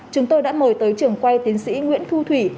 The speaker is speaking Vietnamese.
chúng tôi đã mời tới trường quay tiến sĩ nguyễn thu thủy